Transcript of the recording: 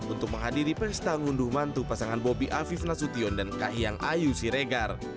untuk menghadiri pesta ngunduh mantu pasangan bobi afif nasution dan kahiyang ayu siregar